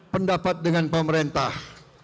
pendapat dengan pemerintah